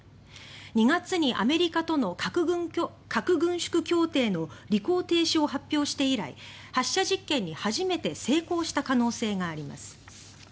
２月にアメリカとの核軍縮協定の履行停止を発表して以来発射実験に初めて成功した可能性があります。